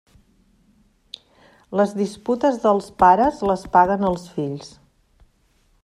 Les disputes dels pares les paguen els fills.